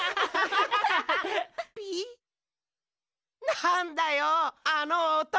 なんだよあのおと！